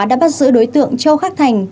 đã bắt giữ đối tượng châu khắc thành